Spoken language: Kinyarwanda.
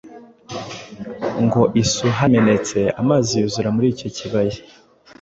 ngo isuha yaramenetse, amazi yuzura muri icyo kibaya,